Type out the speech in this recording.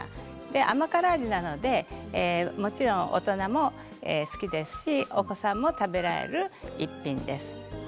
甘辛味なのでもちろん大人も好きですしお子さんも食べられる一品です。